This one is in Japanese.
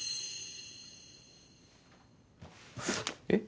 えっ？